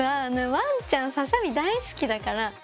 ワンちゃんささみ大好きだから。